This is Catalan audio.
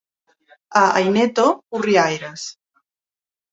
A Aineto, orriaires.